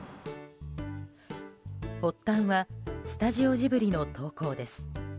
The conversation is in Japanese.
発端はスタジオジブリの投稿です。